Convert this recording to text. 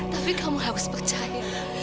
tapi kamu harus percayain